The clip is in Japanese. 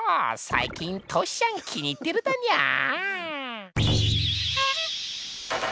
最近トシちゃん気に入ってるだにゃー！